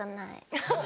アハハハ。